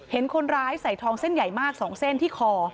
เห็นคนร้ายใส่ทองเส้นใหญ่มาก๒เส้นที่คอ